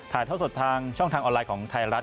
เท่าสดทางช่องทางออนไลน์ของไทยรัฐ